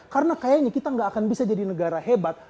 karena kayaknya kita nggak akan bisa jadi negara yang baik